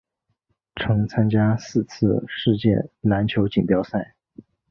曾参加四次世界篮球锦标赛。